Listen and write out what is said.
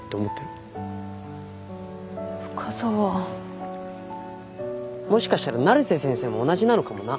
もしかしたら成瀬先生も同じなのかもな。